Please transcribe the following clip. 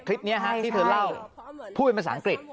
คลิปนี้ที่เธอเล่าพูดเป็นภาษาอังกฤษ